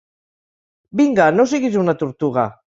Vinga! No siguis una tortuga!